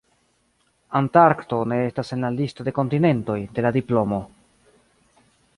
Antarkto ne estas en la listo de kontinentoj de la diplomo.